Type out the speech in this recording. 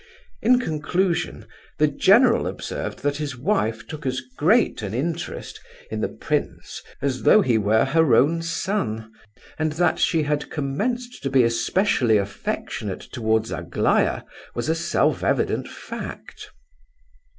In conclusion, the general observed that his wife took as great an interest in the prince as though he were her own son; and that she had commenced to be especially affectionate towards Aglaya was a self evident fact.